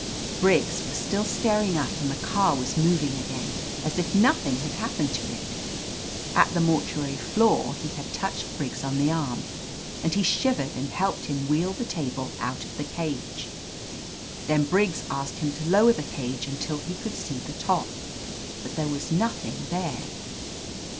Briggs was still staring up and the car was moving again as if nothing had happened to it. At the mortuary floor he had touched Briggs on the arm, and he shivered and helped him wheel the table out of the cage. Then Briggs asked him to lower the cage until he could see the top, but there was nothing there.